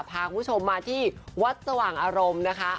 พาคุณผู้ชมมาที่วัดสว่างอารมณ์นะคะ